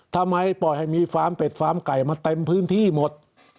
ทำไมปล่อยให้มีฟาร์มเป็ดฟาร์มไก่มาเต็มพื้นที่หมด